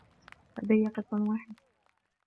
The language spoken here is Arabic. لدي قط واحد.